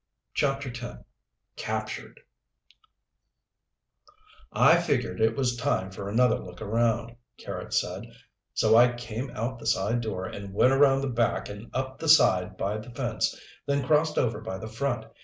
CHAPTER X Captured "I figured it was time for another look around," Carrots said, "so I came out the side door and went around the back and up the side by the fence, then crossed over by the front.